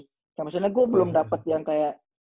kayak misalnya gue belum dapet yang kayak